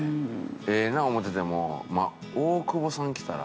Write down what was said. ええな思うててもまあ大久保さん来たら。